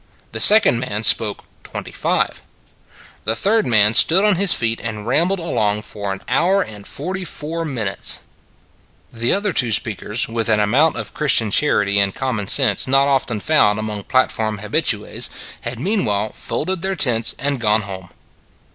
The second man spoke twenty five. The third man stood on his feet and rambled along for an hour and forty four minutes ! The other two speakers, with an amount of Christian charity and common sense not often found among platform habitues, had meanwhile folded their tents and gone home.